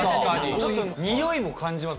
ちょっと匂いも感じます